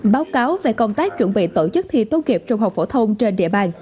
báo cáo về công tác chuẩn bị tổ chức thi tốt nghiệp trung học phổ thông trên địa bàn